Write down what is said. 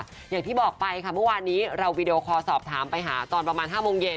อย่างที่บอกไปค่ะเมื่อวานนี้เราวีดีโอคอลสอบถามไปหาตอนประมาณ๕โมงเย็น